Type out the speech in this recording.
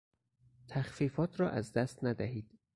تخفیفات را از دست ندهید